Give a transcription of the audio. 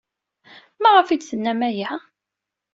Maɣef ay d-tennam aya?